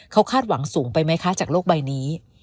เขาคาดหวังสูงไปไหมคะจากโลกใบนี้